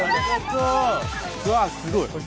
すごい。